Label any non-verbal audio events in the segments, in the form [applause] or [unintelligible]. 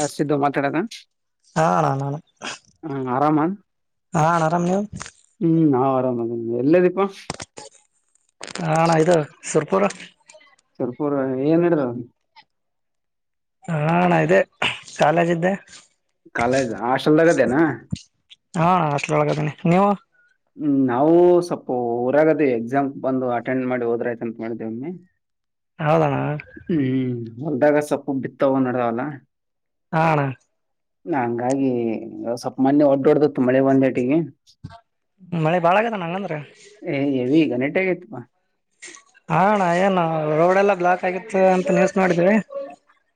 A Siddu ಮಾತಾಡದ ಹಾ ಅಣ್ಣ ನಾನು ಹ ಆರಾಮನ್ ಹಾ ಹನ ಆರಾಮ ನೀ್ ಹ್ಮ್ ನಾವ್ ಆರಾಮೇನೆ ಎಲ್ಲೇ ದೀಪಾ ಹ ಇದು ಸುರ್ಪೂರ ಸರ್ಪೂರ ಏನ್ ಹಡದಾವ. ಹಾ ಅಣ್ಣಾ ಇದೆ. ಶಾಲಜಿದ್ದೆ ಕಾಲೇಜ್ ಹಾಸ್ಟೆಲ್ದಾಗದೇನ. ಹಾ ಅಣ್ಣಾ ಹಾಸ್ಟೆಲ್ ಒಳ್ಗಅದಿನಿ ನೀವು. ಹ್ಮ ನಾವು ಸ್ವಲ್ಪ ಊರಾಗ ಅದಿವಿ ಎಕ್ಸಾಮ್ ಬಂದು ಅಟೆಂಡ್ ಮಾಡಿ ಹೋದ್ರ ಆಯತಂತ ಮಾಡಿದ್ದವ. ಹೌದಣ್ಣ. ಹ್ಮ್ ಅಂತದಾರಗ ಸ್ವಪ್ ಬಿತ್ತವ ನಡದಾವಲ್ಲ. ಹಾ ಅಣ್ಣಾ ನಾ ಹಂಗಾಗಿ ಸ್ವಪ ಮನ್ನೆ ಒಡ್ಡೊ ಒಡದಿತ್ತ್ ಮಳೆ ಬಂದೇಟಿಗೆ. ಮಳೆ ಬಾಳ ಆಗದ ಹಂಗಂದ್ರ. ಎ ಏ್ಯವ ಗಣೇಟ್ಟ್ ಆಗೀತೆ ಪಾ ಹಾ ಅಣ್ಣ ಏನ ರೋಡ್ ಎಲ್ಲ ಬ್ಲಾಕ್ ಆಗಿತ್ ಅಂತ ನ್ಯೂಸ್ ನೋಡಿದ್ದೀವಿ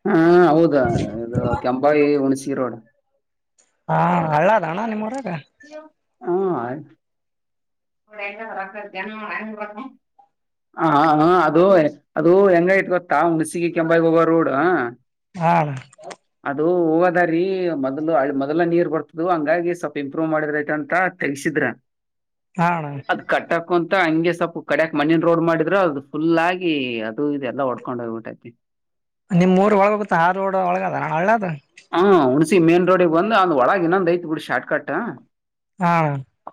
ಹಾ ಹೌದ ಇದ ಕೆಂಬಾಯಿ ಹುಣಸಿ ರೋಡ್. ಹಾ ಹಳ್ಳ ಅದ ಅಣ್ಣ ನಿಮ್ಮ್ ಊರಾಗ್. ಯೋ ಹು ಆಯ್ತಾ [inaudible] ಹಾ ಹಾ ಹಾ ಅದು ಅದು ಹೆಂಗ ಆಗಿದೆ ಗೊತ್ತಾ? ಹುಣಸಿಗೆ ಕೆಂಬಾಯಿ ಗೆ ಹೋಗ ರೋಡ ಹಾ ಅದು ಹೋಗೋದಾರಿ ಮೊದ್ಲು ಮೊದ್ಲ ನೀರ್ ಬರತ್ತಿದ್ದ್ವಿ ಹಂಗಾಗಿ ಸಪ ಇಂಪ್ರೂವ್ ಮಾಡಿದರೈತ ಅಂತ ತಕಸಿದ್ರ ಹಾ ಅಣ್ಣ [inaudible] ಅದ್ ಕಟ್ಟ ಕುಂತಳ ಹಂಗೆ ಸ್ವಲ್ಪ ಕಡ್ಯಾಕ್ ಮಣ್ಣಿನ ರೋಡ್ ಮಾಡಿದ್ರ ಅದು ಫುಲ್ ಆಗಿ ಅದು ಇದೆಲ್ಲಾಓಡ್ಕೊಂಡ್ ಹೋಗ್ಬಿಟೈತಿ. ಅದ ನಿಮ್ ಊರ ಒಳ ಬರತ್ತ ಆ ರೋಡ್ ಒಳಗ್ ಹಳ್ಳ ಅದ. ಹ ಹುಣಸಿ ಮೇನ್ ರೋಡಿಗೆ ಬಂದ ಅದ ಒಳಗ ಇನ್ನಂದ್ ಐತ್ ಬಿಡ್ ಶಾರ್ಟ ಕಟ್. ಹಾ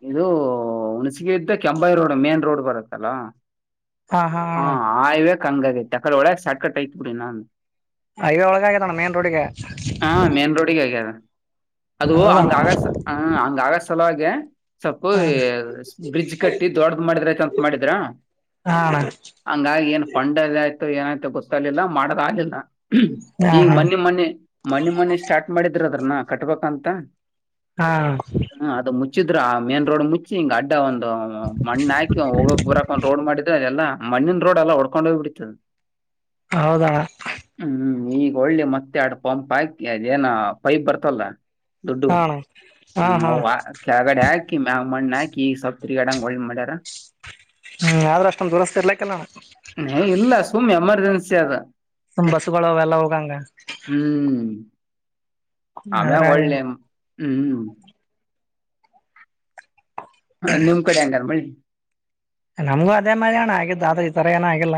ಇದು ಹುಣಸೆಗಿದ್ದ ಇದ್ದ ಕೆಂಬಾಯಿ ರೋಡ್ ಮೇನ್ ರೋಡ್ ಬರುತ್ತಲ್ಲ. ಹಾ ಹೈವೇ ಹಂಗ ಅದೇ ಹಾಕರ ಒಳಗ್ ಶಾರ್ಟ್ ಕಟ್ ಐತ್ ಬಿಡಿ ಇನ್ನೊಂದ್ ಹೈವೇ ಒಳಗೆ ಆಗೆತೆ ಅಣ್ಣಾ ಮೈನ್ ರೋಡ್ಗೆ. ಹ ಮೇನ್ ರೋಡಿಗೆ ಆಗದ. ಅದು ಹೌದಣ್ಣ ಹಂಗ ಆಗ ಸಲ ಹ ಹಂಗ ಆಗ ಸಲುವಾಗೆ. ಸಪ್ಪ ಹಾ ಬ್ರಿಡ್ಜ್ ಕಟ್ಟಿ ದೊಡ್ದ ಮಾಡಿದ್ರಐತಂತ ಮಾಡಿದ್ರ. ಹಾ ಅಣ್ಣ ಹಂಗಾಗಿ ಏನ್ ಫಂಡ್ ಅಲ್ಲೇ ಆಯ್ತಾ ಏನಾಯ್ತು ಗೊತ್ತಲಿಲ್ಲ ಮಾಡದಾಗಗಿಲ್ಲ ಹಾ [inaudible] ಈಗ ಹಾ ಮನ್ನೆ ಮನ್ನೆ ಆ ಮನ್ನೆ ಮನ್ನೆ ಸ್ಟಾರ್ಟ್ ಮಾಡಿದ್ರ ಅದ್ರನ ಕಟ್ಬೇಕಂತ. ಹಾ ಹ್ಮ ಅದ ಮುಚ್ಚಿದ್ರ ಆ ಮೇನ್ ರೋಡ್ ಮುಚ್ಚಿ ಹಿಂಗ್ ಅಡ್ಡ ಒಂದ ಮಣ್ಣ ಹಾಕಿ ಹೋಗಕ್ ಬರಕ್ ಒಂದ್ ರೋಡ್ ಮಾಡಿದ ಯಲ್ಲಾ. ಮಣ್ಣಿನ ರೋಡ್ ಎಲ್ಲ ಒಡ್ಕೊಂಡೋಗ ಬಿಟ್ಟಿತ್ತ್. ಹೌದಾ ಹ್ಮ್ ಈಗ ಒಳ್ಳೆ ಮತ್ತೆ ಯಾಡ ಪಂಪ್ ಹಾಕಿ ಅದ ಏನ ಪೈಪ್ ಬರ್ತಲ್ಲ. ದೊಡ್ಡವ ಹಾ ಅಣ್ಣ ಹಾ ಹ್ಮ ಹಾ ಅವ ಕೆಳಗಡೆ ಹಾಕಿ ಮ್ಯಾಗ ಮಣ್ಣ ಹಾಕಿ ಈ ಸ್ವಪ್ ತಿರಿಗಾಡಂಗ ಒಳ್ಳ ಮಾಡ್ಯಾರ. ಹ್ಮ್ ಆದ್ರೂ ಅಷ್ಟೊಂದು ದದುರಸ್ತಿ ಇರ್ಲಕ್ಕೆಲ್ಲ ಅಣ್ಣಾ. ಎ ಇಲ್ಲ ಸುಮ್ಮನ ಎಮರ್ಜೆನ್ಸಿ ಅದ. ಸುಮ್ಮ ಬಸ್ಗಳುವ ಎಲ್ಲಾ ಹೋಗಂಗ. ಹ್ಮ್ [unintelligible] ಆಮೇ ಅದ್ರಾಗ ಒಳ್ಳೆ ಹ್ಮ್. ನಿಮ್ ಕಡೆ ಹಂಗದೆ ಮಳಿ. ನಮ್ಗೂ ಅದೇ ಮಳೆ ಅಣ್ಣ ಆಗಿದ್ದ ಆದ್ರೆ ಈ ಸರಿ ಏನ ಆಗಿಲ್ಲ.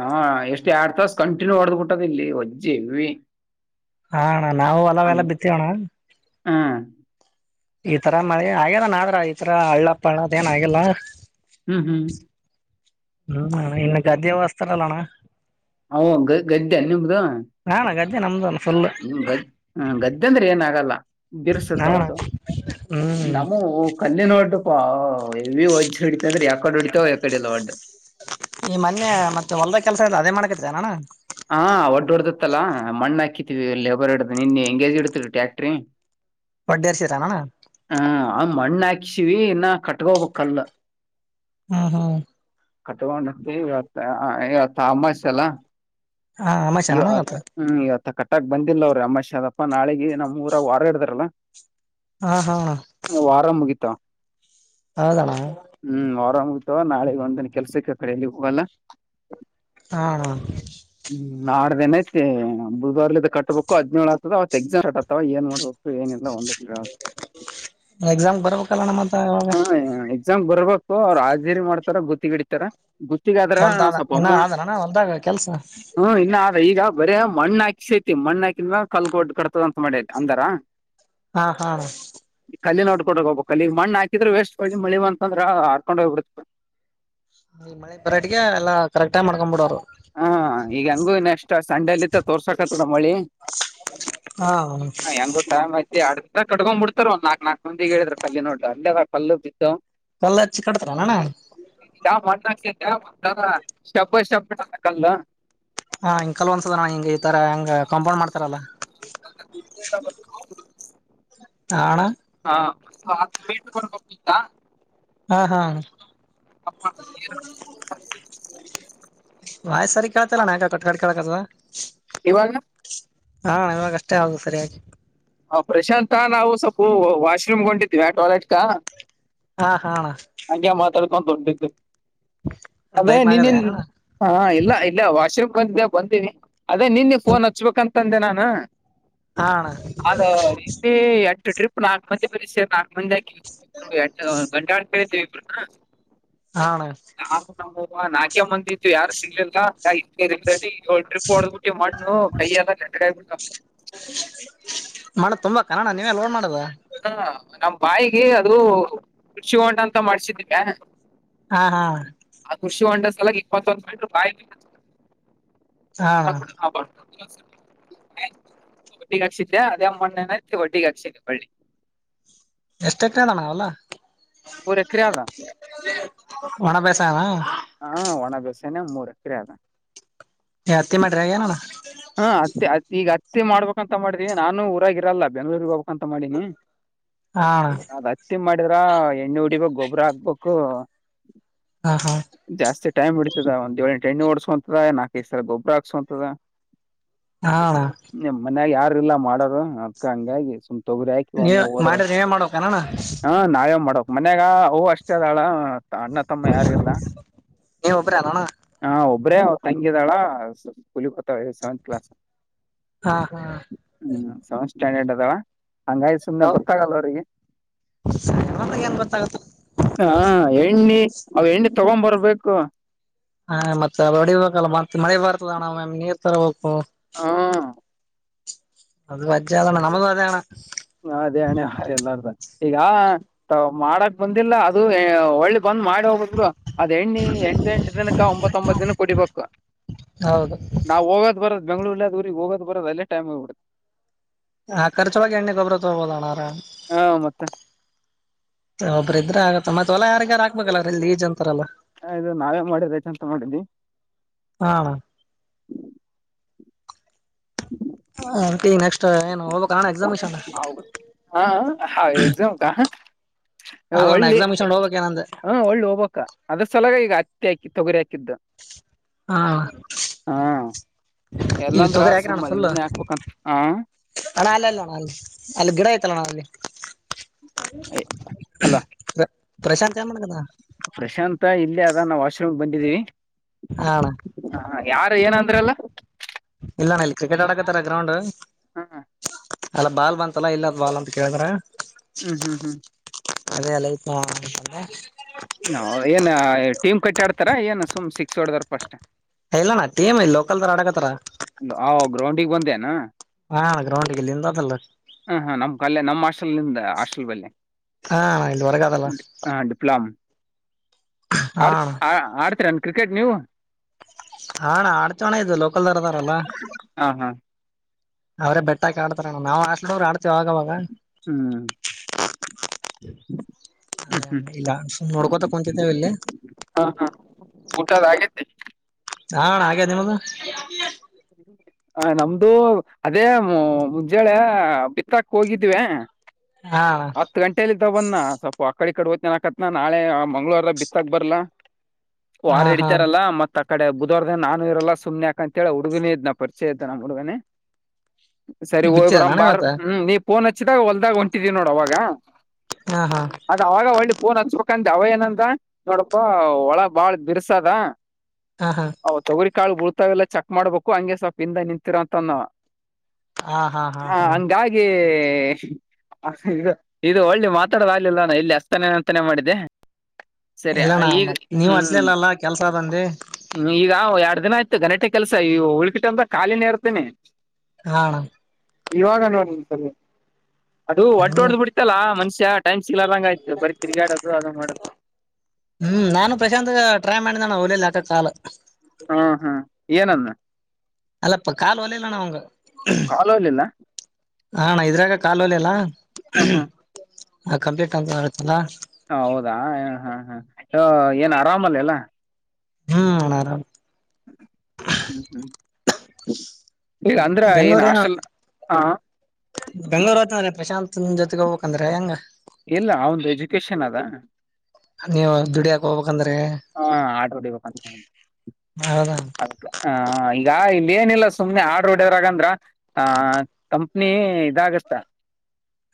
ಹಾ ಎಷ್ಟ್ ಎರಡ್ ತಾಸ ಕಂಟಿನ್ಯೂ ಹೊಡ್ದ್ ಕುಟ್ಟದ ಇಲ್ಲಿ ಒಜ್ಜ ಇವಿ ಹಣ್ಣ ನಾವು ಅಲೆಲ್ಲ ಬಿತ್ತವಣ್ಣ ಹ್ಮ ಈ ತರ ಮಳೆ ಹಾಗಗ್ಯಾರ ನಾಡ್ರ ಈ ತರ ಹಳ್ಳಪ್ಪಣದ ಏನ್ ಆಗೆಲ್ಲ ಹ್ಮ್ ಹ್ಮ್ ಹ್ಮ್ ಇನ್ಕ್ಕೆ ಅ್ಯ ವಸ್ತರಲ್ಲಣ್ಣ ಹ ಗ ಗದ್ದ್ಯಾ ನಿಮ್ದು ಹಾ ಅಣ್ಣ ಗಧೀ ನಮ್ದನೆ ನಿಮ್ ಗದ್ದ್ ಹ ಗದ್ದೆ ಅಂದ್ರೆ ಏನ ಆಗಲ್ಲ ಬಿರ್ಸುತ್ತ ಹಾ ಅಣ್ಣ ಒಟ್ಟು ಹ್ಮ್ ನಮ್ಮ ಕ್ಣಿನ ಒಡ್ಡ ಪ ಇವಿ ವಜ್ಜ ಹಿಡಿತ ಅ್ರ ಯಕಡೆ ಹೊಡಿತಾವ ಯಕಡ ಇಲ್ಲ ಒಡ್ಡ ಈ ಮೊನ್ನೆ ಮತ್ತೆ ಹೊಲ್ದ ಕೆಲ್ಸ ಇ್ರ ಅದೇ ಮಾಡಕತ್ತ ಅಣ ಹಾ ಒಡ್ ಹೊಡದತ್ತಲ್ಲಾ ಮಣ್ಣ ಹಾಕತಿವಿ ಲೇಬರ್ ಇಡ್ದ ನಿನ್ ಹೆಂಗೇಜ್ ಇಡತರಿ ಟ್ಯಾಕ್ಟ್ರಿ ಒಡೇರ್ಷತಾನ ಹ ಆ ಮಣ್ಣ ಹಾಕ್ಸಿವಿ ಇನ್ನ ಕಟ್ಕೋಬೇಕಲ್ಲ ಹ್ಮ ಹ್ಮ ಕಟ್ಕೊಂಡತಿ ಇವತ್ತು ಇವತ್ತು ಅಮ್ಮಾಯಸೆ ಎಲ್ಲ ಹಾ ಅಮಾಷೆನ ಇವ ಅಣ್ಣ ಇವತ್ತು ಹ್ಮ್ ಇವತ್ತ ಕಟ್ಟಕ್ ಬಂದಿಲ್ಲ ಅವ್ರೀ ಅಮ್ಮಾಶದಪ್ಪ ನಾಳೆ ನಮ್ಮ ಊರ ವಾರ ಹಾಡ್ದಾರಲ್ಲಾ ಹಾ ಹಾ ವಾರ ಮುಗೀತ ಹೌದಣಾ ಹ್ಮ್ ಆರಾಮ ಆಗ್ತವ ನಾಳೆಗ ಒಂದನ ಕೆಲ್ಸಕ್ಕೆ ಕಡೆಯಲ್ಲಿ ಹೋಗಲ್ಲ ಹ ಹ್ಮ್ ನಾಡ್ದೇನೈಐತೆ ಬುಧವಾರಲಲ್ಲ ಕಬೇಕು ಹದಿನೇಳು ಆತದತ್ ಎಕ್ಸಾಮ್ತವ ಏನ್ ನೋಡ್ಬೇಕು ಏನ ಎಲ್ಲ ಒಂದ ಹ ಎಕ್ಸಾಮ್ ಬರ್ಬೇಕಲ್ಲಣ್ಣ ಮತ್ತ ಅವಾಗ ಹೆಂಗ್ ಬರ್ಬೇಕು ಅವ್ರು ಹಾಜೇರಿ ಮಾಡ್ತಾರ ಗುತ್ತಿಗೆ ಇಡತಾರ ಗುತ್ತಿಗಾದ್ರ ಸ್ವಲ್ಪ ಅಮ್ಮ ನಾನ ಹೊಲ ದಾಗ ಕೆಲ್ಸ ಹ್ಮ್ ಇನ್ನು ಆದ್ರ ಈಗ ಬರೇ ಮಣ್ಣ ಹಾಕ ಶೇತಿ ಮಣ್ಣ ಹಾಕಿದ್ರ ಕಲ್ಗೊಡ್ ಕಡ್ತದ ಅಂತ ಮಾಡೇ ಅಂದಾರ ಹಾ ಹಾ ಕಲ್ಲಿ ನೋಕೊಂಡ ಹೋಗಬ ಕಲ್ಲಿಗೆ ಮಣ್ಣ ಹಾಕಿದ್ರೆ ವಸ್ಟ್ ಮಳಿ ಮ ಅಂತಂದ್ರ ಹರ್ಕೊಂಡೋಗಬ ಬಿಡತ ಮಳೆ ಪರಾಟಿಗೆ ಎಲ್ಲ ಕರೆಕ್ಟಗ್ ಮಾಡ್ಕೊಂಡ್ ಬಿಡರು ಹಾ ಈಗ ಹಂಗ ನೆಕ್ಸ್ಟ್ ಸಂಡೇಲಿತ್ತ ತೋರ್ಸಕತ್ಡಮ್ಮಳಿ ಹಾ ಟ್ ಐತಿ ಅ ಕಕೊಂಡ್ ಬಿಡ್ತಾರ ಒಂದ ನಾಕಕ್ ನಾಕಕ್ ಮಂದಿ ಹೇಳಿದ್ರ ಕಲ್ಲಿ ನೋಡ್ರ ಅೇ ಕಲ್ಲು ಬಿದ್ದು ಕಲ್ಲ ಅ ಚಿ ಕಟ್ತಣ ಯಾವ ಮಣ್ಣಕ್ಕೆವಾರ ಶಬ್ಬ ಶಬಕಲ್ಲ ಹಾ ಕಲ್ ಒಂದ್ಸದ ನ ಹಿಂಗ್ ಈ ತರ ಹೆಂಗ ಕಾಂಪೌಂಡ್ ಮಾಡ್ತಾರಲ್ಲಾ ಹ ನಣ ಹಾಕ ಹಂತಾ ಹಾ ಹಾ ಅ ವಾಯ್ ಸರಿ ಕೇಳ್ತಲ್ಲ ನಾಯಕ ಕಟ್ಕಟ್ ಕೇಳಳ್ಕದ ಇವಾಗ ಹಾ ಇವಾಗಷ್ಟೇ ಆದು ಸರಿಯಾಗಿೆ ಹ ಪ್ರಶಾಂಂತ ನಾವು ಸ್ಲ್ಪ ವಾಶ್ರೂಮ್ಗೊಂಡಿದೀವಿ ಟಾಯ್ಲೆಟ್ ಕಾ ಹಾ ಹಾ ಅಣ್ಣ. ಹಂಗೆ ಮಾತಾಡ್ತಕೊಂತ ಹೊಂಟಿದ್ದೆ ಅದ ಬೈಕ್ ನಿನ್ನೆ. ಮ್ಯಾಗದ ಅಣ್ಣ ಹಾ ಇಲ್ಲ ಇಲ್ಲೆ ವಾಶ್ರೂಮ ಬಂದಿದೆ ಬಂದಿನಿ ಅದ ನಿನ್ನೆ ಫೋನ್ ಹಚ್ಬೇಕಂತಂದೆ ನಾನ. ಹಾ ಅಣ್ಣ. ಅದ ಇಂಟೆ ಎಂಟ ಟ್ರಿಪ್ ನಾಲ್ಕ ಮಂದಿ ಬರಿ ಸೇರಿ ನಾಕ. [unintelligible] ಇಬ್ರು ಯಾಡ ಗಂಡಾಳ ಹೇಳಿದ್ವಿ ಇಬ್ಬರನ್ನ. ಹಾ ಅಣ್ಣ. ನಮ್ಮ [unintelligible] ನಾಕೆ ಮಂದಿ. ಅಂತು ಯಾರ ಸಿಗ್ಲಿಲ್ಲ ಹಂಗಾಗಿ [unintelligible] ಯೋಳ ಡ್ರಿಪ್ ಹೊಡದಬಿಟ್ಟಿವಿ ಮಣ್ಣು ಕೈಯ ಎಲ್ಲ ನೆಟ್ಟಾಗಿಬಿಟ್ಟವ. ಮಣ್ಣ ತುಂಬಾಕನ ಅಣ್ಣ ನೀವೆ ಲೋಡ್ ಮಾಡುದ. [unintelligible] ನಮ್ಮ ಬಾವಿಗಿ ಅದು ಕೃಷಿಹೊಂಡ ಅಂತ ಮಾಡ್ಸಿದಿವ್ಯ. ಹಾ ಹಾ. ಆ ಕೃಷಿಹೊಂಡ ಸಲವಾಗಿ ಇಪ್ಪತ್ತೊಂದ ಮೀಟರ್ ಬಾವಿ. ಹಾ ಅಣ್ಣ [unintelligible] ಒಡ್ಡಿಗೆ ಹಾಕ್ಸಿದ್ದೆ ಅದೇ ಮಣ್ಣೆನೈತಿ ಒಡ್ಡಿಗೆ ಹಾಕ್ಸಿದ್ದೆ ಹೊಳ್ಳಿ. ಎಸ್ಟ ಎಕರೆ ಅದ ಅಣ್ಣ ಹೊಲ. ಮೂರ ಎಕರೆ ಅದ. ಒಣ ಬೇಸಾಯನ ಹಾ ಒಣ ಬೇಸಾಯಿನ ಮೂರ ಎಕರೆ ಅದ. ಏ ಹತ್ತಿ ಮಾಡ್ಯಾರ ಏನ ಅಣ್ಣ. ಹಾ ಹತ್ತಿ ಹತ್ತಿ ಈಗ ಹತ್ತಿ ಮಾಡಬೇಕಾಂತ ಮಾಡಿದಿವಿ ನಾನು ಊರಾಗಿರಲ್ಲ ಬೆಂಗ್ಳೂರ್ರಿಗೆ ಹೋಗಬೇಕ್ಂತ ಮಾಡೀನಿ. ಹಾ ಅಣ್ಣ. ಅದ ಹತ್ತಿ ಮಾಡಿದ್ರ ಎಣ್ಣೆ ಹೊಡಿಬೇಕು ಗೊಬ್ಬರ ಹಾಕ್ಬೇಕು. ಹಾ ಹಾ. ಜಾಸ್ತಿ ಟೈಮ್ ಹಿಡಿತದ ಒಂದು ಏಳೆಂಟು ಎಣ್ಣಿ ಹೊಡೆಸ್ಕೊಂತದ ನಾಲ್ಕೈದ ಸಲ ಗೊಬ್ಬರ ಹಾಕಸಕೊಂತದ. ಹಾ ಅಣ್ಣ. ನಿಮ್ಮ ಮನ್ಯಾಗ ಯಾರ ಇಲ್ಲ ಮಾಡೋರು ಅದಕ್ಕ ಹಂಗಾಗಿ ಸುಮ. ತೋಗರಿ ಹಾಕಿ ಒಮ್ಮೆ ನೀವ್ ಹೋಗರದ ಮಾಡ್ರ ಆಯ್ತ. ನೀವೇ ಮಾಡ್ಬೇಕನಣ್ಣ ಹಾ ನಾವೇ ಮಾಡಬೇಕ ಮನ್ಯಾಗ ಅವ್ವ ಅಷ್ಟ ಅದಾಳ ಅಣ್ಣ. ತಮ್ಮ ಯಾರಿಲ್ಲ ನೀವ ಒಬ್ಬ್ರ ಅಲ್ಲಣ್ಣ ಹ ಒಬ್ರೇ ತಂಗಿದಾಳ ಸ ಸ್ಕೂಲೀಗ ಹೋಗ್ತಾಳ. ಈಗ ಸೆವೆಂತ್ ಕ್ಲಾಸ್. ಹಾ ಹಾ. ಹ್ಮ್ ಸೆವೆಂತ್ ಸ್ಟಾಂಡರ್ಡ್ ಅದಾಳ ಹಂಗಾಗಿ. ಸುಮನೆ ಹಾ ಗೊತ್ತಾಗಲ್ಲ ಅವರಿಗಿ. ಏನ್ ಗೊತ್ತಾಗತ್ತ ಹ ಎಣ್ಣಿ ಅವ ಎಣ್ಣೆ ತೊಗೊಂಡಬರ್ಬೇಕ. ಹಾ ಮತ್ತ ಹೊಡಿಬೇಕಲ್ಲ ಮತ್ತ ಮಳೆ ಬರ್ತದ ಅಣ್ಣ ಒಮ್ಮ ಒಮ್ಮಿ ನೀರ ತರಬೇಕು. ಹಾ. ಅದು ವಜ್ಜಿ ಅದ ಅಣ್ಣ ನಮ್ಮದು ಅದೇ ಅಣ್ಣ. ಹ ಅದೇ ಹಣೆ ಎಲ್ಲಾರ್ದ ಈಗ. ತಾವ ಮಾಡಾಕ ಬಂದಿಲ್ಲ ಅದು ಹೊಳ್ಳಿ ಬಂದ ಮಾಡಿ ಹೋಗಬೇಕ. ಅದ ಎಣ್ಣಿ ಎಂಟ ಎಂಟ ದಿನಕ್ಕ ಒಂಬತ್ತೊಂಬತ್ತ ದಿನಕ ಕುಡಿಬೇಕ. ಹೌದು ನಾವ ಹೋಗದ ಬರೋದ ಬೆಂಗಳೂರಲಿಂದ ಊರಿಗ ಹೋಗದ ಬರೋದು ಅಲ್ಲೇ ಟೈಮ್ ಹೋಗ್ಬಿಡ್ತೈತಿ. ಆ ಖರ್ಚ ಒಳಗ ಎಣ್ಣಿ ಗೊಬ್ಬರ ತಗೋಬಹುದು ಅಣ್ಣ. ಹಾ ಮತ್ತ. ಒಬ್ಬ್ರ ಇದ್ರ ಆಗತ್ತ ಮತ್ತ ಹೊಲ ಯಾರಿಗರ ಹಾಕ್ಬೇಕಲ್ಲ ಅದೇನ ಲೀಜ್ ಅಂತರಲ್ಲ. ಹ ಇದು ನಾವೇ ಮಾಡಿದೈತಿ ಅಂತ ಮಾಡಿದ್ವಿ. ಹಾ ಅಣ್ಣ. ಹ್ಮ ಹೂಮ್ ಆಕಿ ನೆಕ್ಸ್ಟ್ ಏನ್ ಓದಕೆ ಹೂಂ ಹೌ ಹಾ ಹಾ ಎಕ್ಸಾಂ ಕ ಅಲ್ಲಣ್ಣ ಒಳ್ಳಿ ಎಕ್ಸಾಮಿಷನ್ ಹೋಗ್ಬೇಕ ಏನಂದೆ ಹಾ ಒಳ್ಳು ಹೋಗಬೇಕಾ ಅದ್ರ ಸಲಾಗ ಈಗ ಹತ್ತಿ ಹಾಕಿ ತೊಗರಿ ಹಾಕಿದ್ದು ಹಾ ಈಗ ಎಲ್ಲಾಂದ್ರ ತೊಗರಿ ಹಾಕಿರಣ್ಣ ಸುಮ್ಮ ಫುಲ್ ಇದನ್ನೇ ಹಾಕ್ಬೇಕಂತೆ ಹ ಅಣ್ಣ ಅಲ್ಲ ಅಲ್ಲ ಅಣ್ಣ ಅಲ್ಲಿ ಅಲ್ಲಿ ಗಿಡ ಹೈತಾಳನ್ನ ಅಲ್ಲಿ ಹೇ ಅಲ್ಲ ಪ್ರಶಾಂತ್ ಏನ್ ಮಾಡಕತ್ತಾನ ಪ್ರಶಾಂತ ಇಲ್ಲೇ ಅದೇನೆ ನಾವ್ ವಾಶ್ರೂಮ್ ಬಂದಿದ್ದೀವಿ ಹಾ ಅಣ್ಣ ಹಾ ಯಾರ ಏನ ಅಂದ್ರಲ್ಲ ಇಲ್ಲಣ್ಣ ಇಲ್ಲಿ ಕ್ರಿಕೆಟ್ ಆಡಾಕತ್ತಾರ ಗ್ರೌಂಡ್ ಹಾ ಅಲ್ಲ ಬಾಲ್ ಬಂತಲ್ಲಾ ಎಲ್ಲದು ಬಾಲ್ ಅಂತ ಕೇಳಿದ್ರ ಹ್ಮ್ ಹ್ಮ್ ಹ್ಮ್ ಅದೇ ಅಲ್ಲಿ ಆಯ್ತ ಬಾ ಅಂತಲೇ ನಾ ಏನ್ ಟೀಮ್ ಕಟ್ಟಿ ಆಡ್ತಾರೆ ಏನ್ ಸುಮ್ಮನೆ ಸಿಕ್ಸ್ ಹೊಡದರ್ ಪಸ್ಟ್ ಇಲ್ಲಣ ಟೀಮ್ ಇಲ್ಲಿ ಲೋಕಲ್ದರ್ ಆಡಕತಾರ ಬಾವ ಗ್ರೌಂಡಿಗೆ ಬಂದೇನು ಹಾ ಗ್ರೌಂಡ್ ಇಲ್ಲಿಂದ ಅದಲ್ಲ ಹಾ ಹಾ ನಮ್ ಕಲ್ಲ ನಮ್ಮ ಹಾಸ್ಟೆಲಿಂದ ಹಾಸ್ಟೆಲ್ ಬೆಲ್ಲೆ ಹಾ ಇಲ್ಲಿ ಹೊರಗ ಅದಲ್ಲ ಹೂಮ್ ಹಾ ಡಿಪ್ಲಮ್ ಹಾ ಆಡ್ ಆಡ್ ಆಡ್ತೀರನ್ ಕ್ರಿಕೆಟ್ ನೀವು ಹಾ ಅಣ್ಣ ಆಡೀತೀವಿ ಅಣ್ಣಇದು ಲೋಕಲ್ ಅವ್ರು ಇದಾರೆಯಲ್ಲ ಹ ಹಾ ಅವ್ರೇ ಬೆಟ್ಟಾಕಿ ಆಡ್ತಾರಣ್ಣ ನಾವು ಹಾಸ್ಟೆಲ್ಡವರು ಆಡ್ತೀವಿ ಅವಾಗವಾಗ ಹ್ಮ್ ಹ್ಮ್ ಅದ ಹ್ಮ್ ಇಲ್ಲ ಸುಮ್ಮನೇ ನೋಡ್ಕೋತ ಕುಂತೂರ್ತಿವಿ ಇಲ್ಲಿ ಹಾ ಹಾ ಕೂಟದ್ ಆಗಿತ್ತೇ ಹ ಅಣ್ಣ ಹಾಗೆತೇ ನಿಮ್ಮ್ದ ಆ ನಮ್ದು ಅದೇ ಮುಂಜಾಳೆ ಬಿತ್ತಾಕ್ ಹೋಗಿದ್ವಿ ಹಾ ಹತ್ ಗಂಟೆಲಿ ತ ಬನ್ನ ಸ್ವಲ್ಪ ಆಕಡೆ ಈಕಡೆ ಹೋಯ್ತು ಅನ್ನೋಕೆ ಅತ್ತಿದೆನಾ ನಾಳೆ ಮಂಗಳೂವಾರ ಬಿತ್ತಕ್ ಬರಲ್ಲ ಹಾ ವಾರ ಹಾ ಹಿಡಿತಾರಲ್ಲ ಮತ್ ಆ ಕಡೆ ಬುಧವಾರದ ನಾನು ಇರಲ್ಲ ಸುಮನೆಕ ಅಂತ ಹೇಳ ಹುಗನ ಇದ್ ನ ಪರಿಚಯ ಇದ್ದ ನಮ್ಮ ಹೂಡಗನೇ. ಸರಿ ನೀ ಹೋಗಯ್ಬರ ಬಿತ್ತಿದನ ಅಣ್ಣ ಬಾರ್ ಇವತ್ತ ಹ್ಮ್ ನೀ ಫೋನ್ ಹಚ್ಚಿದಾಗ ಹೊಲ್ದಾಗ ಹೊಂಟಿದೀ ನೋಡು ಅವಾಗ. ಹಾ ಹಾ ಅದ ಅವಾಗ ಒಳ್ಳಿ ಫೋನ್ ಹಚ್ಬ ಬೇಕಂದ ಅವ ಏನಂದ. ನೋಡಪ್ಪಾ ಹೊಳ ಬಾಳ್ ಬಿರ್ಸ ಆದ ಹಾ ಹಾ ಅವ್ ತೊಗರಿ ಕಾಳ ಬುಳ್ತಾವ ಇಲ್ಲ ಚಕ್ ಮಾಡ್ಬೇಕು ಹಂಗೆ ಸ್ವಲ್ಪ ಹಿಂದೆ ನಿಂತಿರು ಅಂತ ಅಂದ ಅವ ಹಾ ಹಾ ಹಾ ಹ ಹಾ ಹಂಗಾಗಿ ಇದು ಇದು ಒಳ್ಳೆ ಮಾತಾಡದಾಗಗ್ಲಿಲ್ಲಾನ ಇಲ್ಲಿ ಅಚ್ಚತಾನೆ ಅಂತಾನೇ ಮಾಡಿದೆ ಇಲ್ಲಣ್ಣ ಮತ್ತೆ ನೀವ್ ಹಚ್ಚಲಿಲ್ಲ ಅಂದ್ರಿ ಬಾಳ ಕೆಲ್ಸ ಆದ ಹ್ಮ ಈಗ ಎರಡ್ ದಿನ ಆಯ್ತು ಗಘಟೆ ಕೆಲಸ ಈ ಉಳ್ಕಿಟ್ಟ ಅಂತ್ರ ಖಾಲಿನೇ ಇರ್ತೇನನೆ ಹ ಇವಾಗ ನೋಡಿ ಸರ್ ಅದು ಅಣ್ಣ ಒಡ್ಡ್ದ್ ಬಿಡತಲ್ಲ ಮಷ್ಯ ಟೈ್ ಸಿಲ್ಲ್ಲಂಗ ಆಯ್ತು ಬರಿೀ ತಿಗಾಡೋದು ಅದಂಗ್ ಮಾಡ ಹ್ಮ್ ನಾನು ಪ್ರಶಾಂತ್ ಟ್ರೈ ಮಾಡಿದಣ ಅವಲಲಿಾಕಕ್ ಕಾಲ್ ಹಾ ಹ್ಮ್ ಏನಮ್ಮ ಅಲ್ಲಪ್ಪ ಕಾಲು ಹೊಲಲ್ಲಣ ಅವಂಗ ಕಾಲೋಲಿಲ್ಲ ಹಣ ಇದ್ರಾಗ ಕಾಲು ಹೊಲಲ್ಲ ಹ ಹಾ ಹ ಕಂಪ್ಲೀಟ್ ಅಂತ ಮಾಡತ್ತಲ್ಲ ಹ ಹೌದಾ ಹ ಹಾ ಹಾ ಏನ್ ಆರಾಮಲ್ಲ ಅಲ್ಲಾ ಹ್ಮ ಆರಾಮ್ ಹ್ಮ್ ಹ್ಮ್ ಈಗ ಅಂದ್ರ ಏನ್ ಬೆಂಗಗಳೂರು ಏನ ಹಾಸ್ಟೆಲ್ ಹ ಬೆಂಗ್ಳೂರು ಹತ್್ರ ಪ್ರಶಾಂತ್ ಜೊತೆಗೆ ಹೋಗ್ಕಂದ್ರೆ ಹೆಂಗ ಇಲ್ಲ ಒಂದು ಎಜುಕೇಶನ್ ಅದ ನೀವು ದುಡಿಯಾಕ ಹೋಗ್ಬೇಕಂದ್ರೆ. ಹಾ ಆಡರ ಹಿಡಿಬೇಕಂತ. ಹೌದಾ ಹ ಹಿಂಗಾಗಿ ಇಲ್ಲಿ ಏನಿಲ್ಲ ಸುಮ್ನೆ ಆಡಾರ್ ಹೊಡ್ಯದ್ರಾಗಂದ್ರ. ಹ ಕಂಪ್ನಿ ಇದಾಗತ್ತ.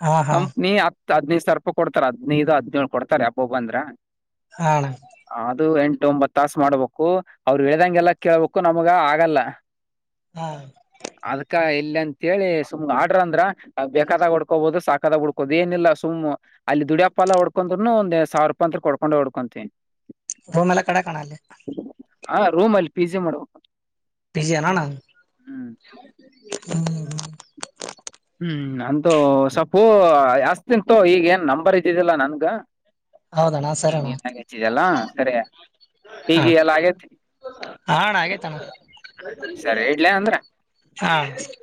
ಹಾ ಹಾ ಕಂಪ್ನಿ ಹತ್ ಹದ್ನೈದು ಸಾವಿರ ರೂಪಾಯಿ ಕೊಡ್ತಾರ ಹದ್ನೈದು ಹದ್ನೇಳಳ್ ಕೊಡ್ತಾರೆ ಯಪೊಬ ಬಂದ್ರ. ಹಣ ಅದು ಎಂಟು ಒಂಬತ್ ತಾಸ್ ಮಾಡ್ಬೇಕು ಅವ್ರು ಹೇಳ್ದಂಗೆಲ್ಲ ಕೇಳ್ಬೇಕು ನಮಗ ಆಗಲ್ಲ ಹಾ ಅದ್ಕ ಇಲ್ಲ ಅಂತೇಳಿ ಸುಮ್ ಆಡ್ರ ಅಂದ್ರ ಬೇಕಾದಾಗ ಉಡ್ಕೋಬೋದು ಸಾಕಾದಾಗ ಉಡ್ ಕೊದ ನಿಲ್ಲ ಸುಮ್ ಅಲ್ಲಿ ದುಡಿಯಪ್ಪ ಎಲ್ಲ ಹೊಡ್ಕೊಂಡ್ರುನು ಒಂದ್ ಸಾವಿರ ರೂಪಾಯ ಅಂತ್ರಕ್ ಹೋಡ್ಕೊಂಡ ಹೋಡ್ಕೊಂತೀನ್. ಹೊ ಮೇಲಿ ಕಡ ಕಾಣಲ್ಲಿ. ಹಾ ರೂಮಲ್ ಪಿ ಜಿ ಮಾಡೋ ಬಿಜಿ ಏನಣ್ಣ ಹ್ಮ್ ಹ್ಮ್ ಹ್ಮ್ ಹ್ಮ್ ಅಂತೂ ಸಪ್ಪು ಹಚ್ತೀನ್ ತೋ ಈಗೇನ್ ನಂಬರ್ ಇದ್ದಿದ್ದಿಲ್ಲಾ ನನ್ಗ ಹೌದಣ ಸ್ ಈಗ್ ನೀನಾಗ್ ಹಚ್ಚಿದ್ಯಲ್ಲ ಸರಿ. ಹಾ ಹೀಗಿ ಎಲ್ಲ ಆಗೇತಿ ಹಾ ಅಣ್ಣ ಆಗೇತಣ್ಣ ಸರಿ ಇಡ್ಲ್ಯಾ ಅಂದ್ರ. ಹಾ ಅಣ ಸರ್